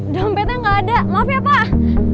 dompetnya gak ada maaf ya pak